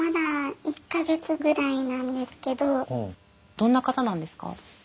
どんな方なんですか？